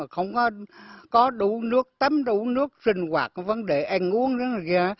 không có đủ nước tấm đủ nước sinh hoạt vấn đề ăn uống